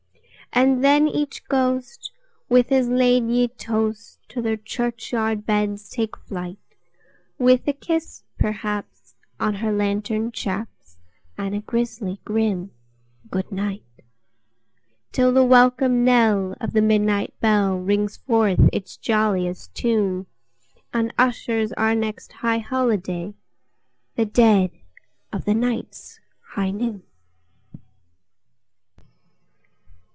And then each ghost with his ladye toast to their churchyard beds take flight, With a kiss, perhaps, on her lantern chaps, and a grisly grim "good night"; Till the welcome knell of the midnight bell rings forth its jolliest tune, And ushers our next high holiday—the dead of the night's high noon!